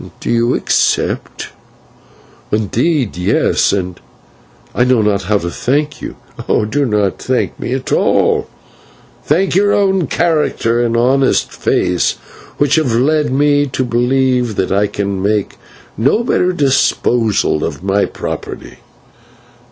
Do you accept?" "Indeed, yes, and I know not how to thank you." "Do not thank me at all, thank your own character and honest face which have led me to believe that I can make no better disposal of my property.